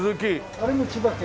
あれも千葉県。